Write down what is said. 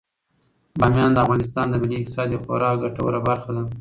بامیان د افغانستان د ملي اقتصاد یوه خورا ګټوره برخه ده.